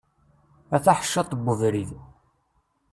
A taḥeccaḍt n ubrid.